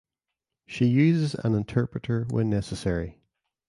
She uses an interpreter when necessary.